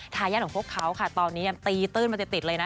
ทายาทของพวกเขาค่ะตอนนี้ยังตีตื้นมาติดเลยนะ